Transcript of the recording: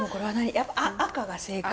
やっぱ赤が正解？